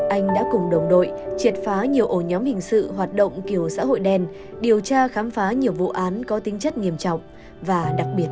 anh đã cùng đồng đội triệt phá nhiều ổ nhóm hình sự hoạt động kiểu xã hội đen điều tra khám phá nhiều vụ án có tính chất nghiêm trọng và đặc biệt nghiêm trọng